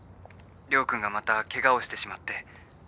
陵君がまたケガをしてしまって。